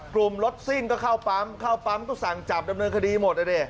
กลุ่มรถซิ่งก็เข้าปั๊มเข้าปั๊มก็สั่งจับดำเนินคดีหมดอ่ะดิ